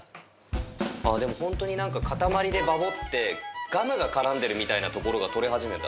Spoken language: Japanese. ああ、でも本当に固まりでばこってガムが絡んでるみたいなところが取れ始めた。